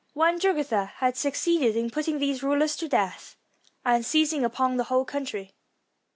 One Jugurthi had succeeded in putting these rulers to death and seizing upon the whole country.